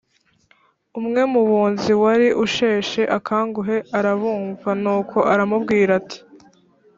Umwe mu bunzi wari usheshe akanguhe arabumva, nuko aramubwira ati: